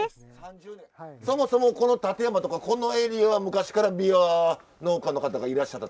そもそもこの館山とかこのエリアは昔からびわ農家の方がいらっしゃった？